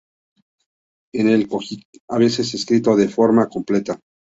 En el "Kojiki" a veces es escrito de forma completa 建御雷之男神.